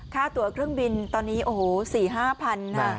ค่าตัวเครื่องบินตอนนี้โอ้โห๔๕พันธุ์นะฮะ